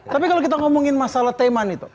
tapi kalau kita ngomongin masalah teman itu